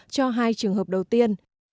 cho hai trường hợp đầu tiên